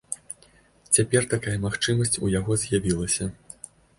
Цяпер такая магчымасць у яго з'явілася.